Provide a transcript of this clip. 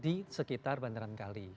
di sekitar bandaran kali